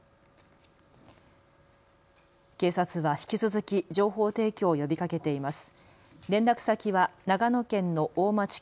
警察は引き続き情報提供を呼びかけています。